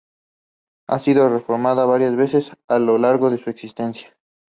Ha sido reformada varias veces a lo largo de su existencia.